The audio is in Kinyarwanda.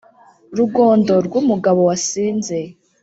Rugondo rw' umugabo wasinze ;